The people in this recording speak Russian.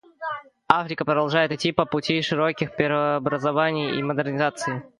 Африка продолжает идти по пути широких преобразований и модернизации.